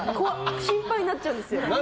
心配になっちゃうんですよ